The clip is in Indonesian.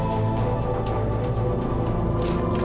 ya tapi lo masih bisa